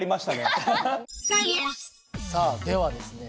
さあではですね